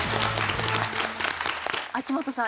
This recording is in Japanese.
秋元さん